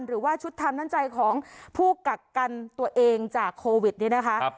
หรือว่าชุดทำน้ำใจของผู้กักกันตัวเองจากโควิดเนี่ยนะคะ